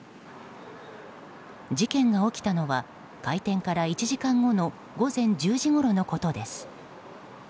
事件が起きたのは開店から１時間後の午前１０時ごろのことです。